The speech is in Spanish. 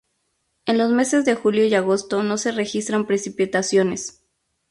En los meses de julio y agosto no se registran precipitaciones.